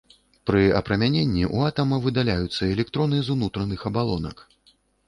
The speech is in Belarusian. Пры апрамяненні ў атама выдаляюцца электроны з унутраных абалонак.